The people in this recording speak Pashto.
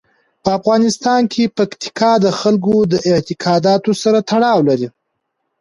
په افغانستان کې پکتیکا د خلکو د اعتقاداتو سره تړاو لري.